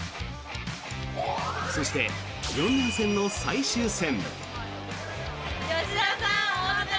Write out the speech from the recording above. そして、４連戦の最終戦。